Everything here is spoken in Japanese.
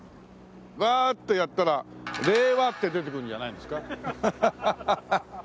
わーってやったら「令和」って出てくるんじゃないんですか？